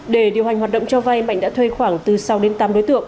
để điều hành hoạt động cho vay mạnh đã thuê khoảng từ sáu đến tám đối tượng